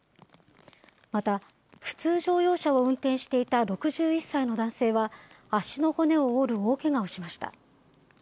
また、普通乗用車を運転していた６１歳の男性は、足の骨を折る大けがをしました。